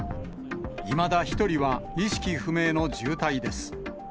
いまだ１人は意識不明の重体です。